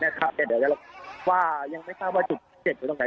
แต่เดี๋ยวว่ายังไม่ทราบว่าจุดเจ็บอยู่ตรงไหน